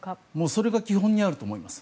それが基本にあると思います。